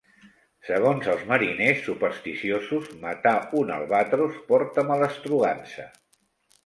Segons els mariners supersticiosos, matar un albatros porta malastrugança.